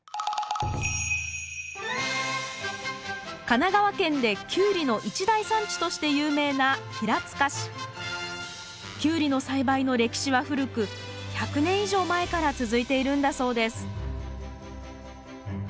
神奈川県でキュウリの一大産地として有名なキュウリの栽培の歴史は古く１００年以上前から続いているんだそうです